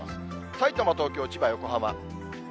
さいたま、東京、千葉、横浜。